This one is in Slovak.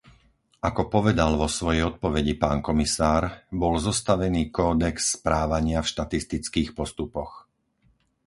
Ako povedal vo svojej odpovedi pán komisár, bol zostavený Kódex správania v štatistických postupoch.